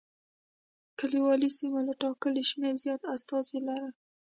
کلیوالي سیمو له ټاکلي شمېر زیات استازي لرل.